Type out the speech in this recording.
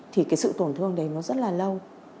thì cái sự tổn thương đấy nó rất là lâu